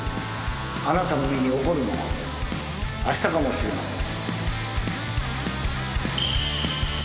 あなたの身に起こるのはあしたかもしれません。